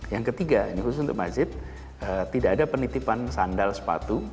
yang ketiga ini khusus untuk masjid tidak ada penitipan sandal sepatu